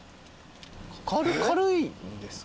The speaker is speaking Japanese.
軽いんですか？